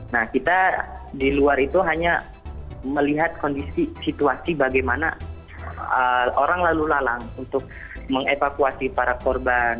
nah kita di luar itu hanya melihat kondisi situasi bagaimana orang lalu lalang untuk mengevakuasi para korban